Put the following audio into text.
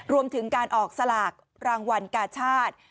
รวมถึงการออกสลากรางวัลกาชาติ